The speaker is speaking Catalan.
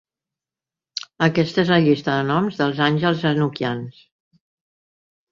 Aquesta és la llista de noms dels àngels enoquians.